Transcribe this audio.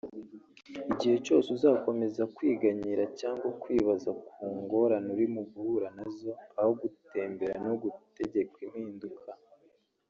Igihe cyose uzakomeza kwiganyira cyangwa kwibaza ku ngorane uri guhura nazo aho gutumbera no gutegeka impinduka